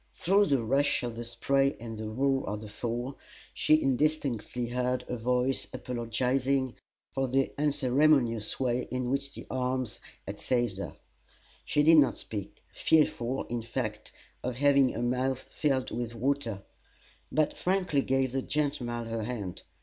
Through the rush of the spray and the roar of the Fall she indistinctly heard a voice apologizing for the unceremonious way in which the arms had seized her. She did not speak fearful, in fact, of having her mouth filled with water but frankly gave the gentleman her hand.